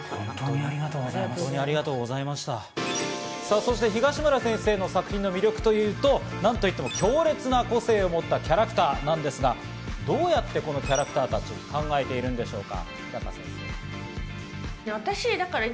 そして東村先生の作品の魅力というと何といっても強力な個性を持ったキャラクターなんですが、どうやってこのキャラクターたちを考えているのでしょうか。